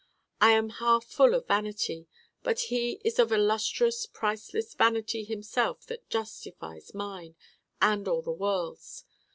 I am half full of vanity: but he is of a lustrous priceless vanity himself that justifies mine and all the world's.